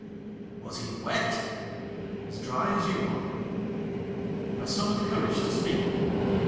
'Was he wet?' ' As dry as you are.' ' I summoned courage to speak.